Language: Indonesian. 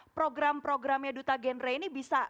program programnya duta genre ini bisa